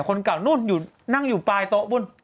คนเก่านู่นนั่งอยู่ปลายโต๊ะบน